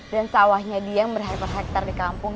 dan sawahnya dia yang berharga per hektare di kampung